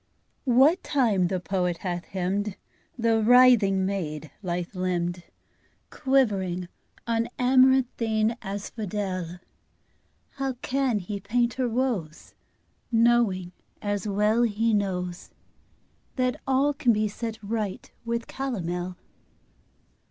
What time the poet hath hymned The writhing maid, lithe limbed, Quivering on amaranthine asphodel, How can he paint her woes, Knowing, as well he knows, That all can be set right with calomel?